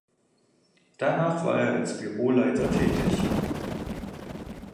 Danach war er als Büroleiter tätig.